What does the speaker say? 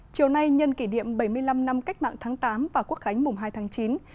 chiều nay nhân kỷ niệm bảy mươi năm năm cách mạng tháng tám và quốc khánh mùng hai tháng chín